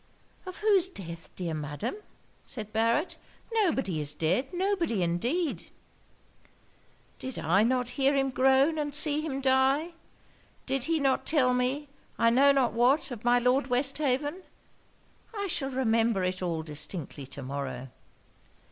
'Of whose death, dear Madam?' said Barret. 'Nobody is dead; nobody indeed.' 'Did I not hear him groan, and see him die? did not he tell me, I know not what, of my Lord Westhaven? I shall remember it all distinctly to morrow!'